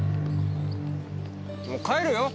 もう帰るよ。